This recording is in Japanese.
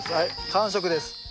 完食です。